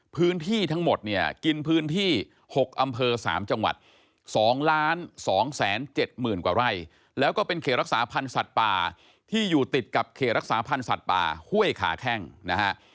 พื้นที่ทั้งหมดเนี่ยกินพื้นที่๖อำเภอ๓จังหวัด๒๒๗๐๐กว่าไร่แล้วก็เป็นเขตรักษาพันธ์สัตว์ป่าที่อยู่ติดกับเขตรักษาพันธ์สัตว์ป่าห้วยขาแข้งนะฮะ